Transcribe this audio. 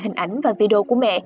hình ảnh và video của mẹ